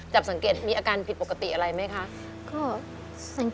จับสังเกตมีอาการผิดปกติอะไรไหมคะ